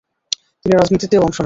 তিনি রাজনীতিতেও অংশ নেন।